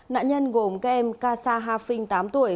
nạn nhân gồm các em casa hafin tám tuổi